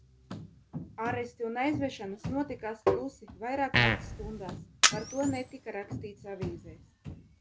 Aresti un aizvešanas notikās klusi, vairāk nakts stundās, par to netika rakstīts avīzēs.